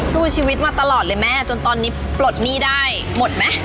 สู้ชีวิตมาตลอดเลยแม่จนตอนนี้ปลดหนี้ได้หมดไหม